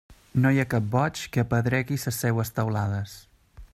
No hi ha cap boig, qui apedregui ses seues teulades.